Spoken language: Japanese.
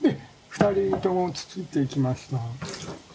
２人ともくっついていきました。